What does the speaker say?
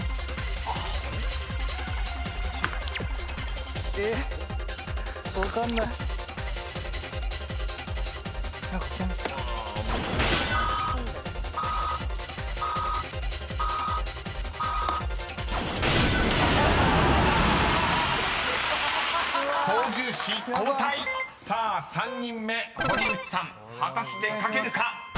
［さあ３人目堀内さん果たして書けるか⁉］